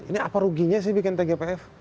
ini apa ruginya sih bikin tgpf